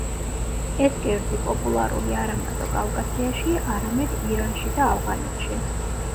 ეს კერძი პოპულარული არამარტო კავკასიაში, არამედ ირანში და ავღანეთში.